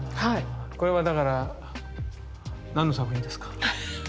これはだから何の作品ですか？